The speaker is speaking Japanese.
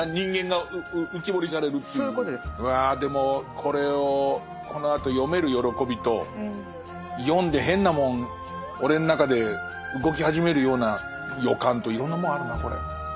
うわでもこれをこのあと読める喜びと読んで変なもん俺の中で動き始めるような予感といろんなもんあるなこれ。